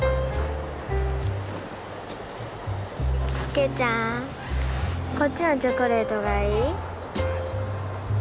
啓ちゃんこっちのチョコレートがいい？